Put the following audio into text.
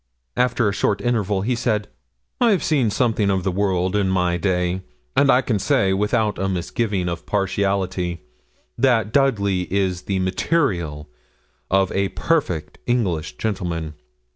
After a short interval he said 'I've seen something of the world in my day, and I can say without a misgiving of partiality, that Dudley is the material of a perfect English gentleman.